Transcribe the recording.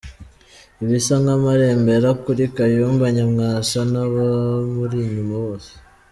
Ibisa nk’amarembera kuri Kayumba Nyamwasa n’abamuri inyuma bose.